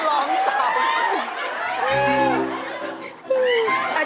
ดูนี่